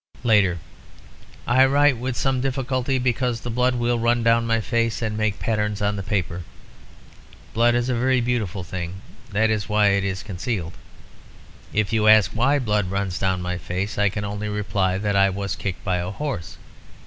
"Later. I write with some difficulty, because the blood will run down my face and make patterns on the paper. Blood is a very beautiful thing; that is why it is concealed. If you ask why blood runs down my face, I can only reply that I was kicked by a horse.